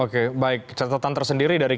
oke baik catatan tersendiri